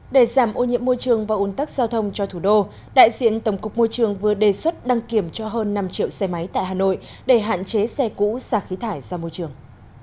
để giảm ô nhiễm môi trường và ôn tắc giao thông cho thủ đô đại diện tổng cục môi trường vừa đề xuất đăng kiểm cho hơn năm triệu xe máy tại hà nội để hạn chế xe cũ xả khí thải ra môi trường